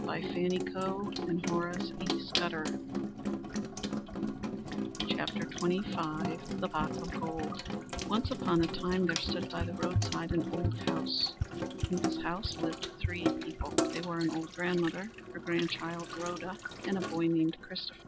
The Pot of Gold HORACE E. SCUDDER Chrif begins the Search Once upon a time there stood by the roadside an old red house. In this house lived three people. They were an old grandmother; her grandchild, Rhoda; and a boy named Christopher.